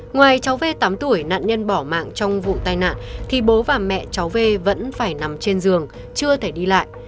ngoài cháu v tám tuổi nạn nhân bỏ mạng trong vụ tai nạn thì bố và mẹ cháu v vẫn phải nằm trên giường chưa thể đi lại